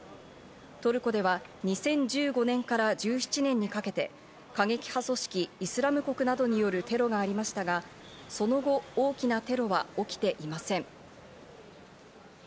トルコでは２０１５年から１７年にかけて、過激派組織「イスラム国」などによるテロがありましたが、その後、大きなテロは起きていません。